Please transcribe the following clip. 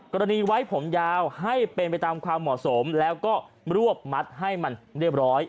ไว้ผมยาวให้เป็นไปตามความเหมาะสมแล้วก็รวบมัดให้มันเรียบร้อย